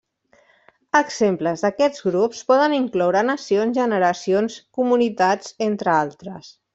Exemples d'aquests grups poden incloure nacions, generacions, comunitats entre altres.